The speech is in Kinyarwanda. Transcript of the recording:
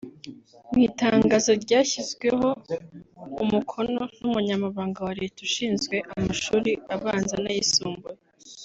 Mu itangazo ryashyizweho umukono n’Umunyamabanga wa Leta ushinzwe amashuri abanza n’ayisumbuye